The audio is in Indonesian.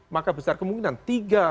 maka besar kemungkinan tiga